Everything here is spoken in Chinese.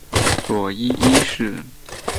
佐伊一世。